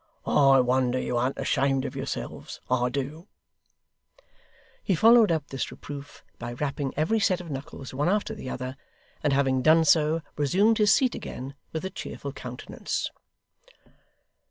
I wonder you an't ashamed of yourselves, I do.' He followed up this reproof by rapping every set of knuckles one after the other, and having done so, resumed his seat again with a cheerful countenance.